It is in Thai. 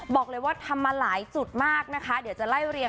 บอกเลยว่าทำมาหลายจุดมากนะคะเดี๋ยวจะไล่เรียง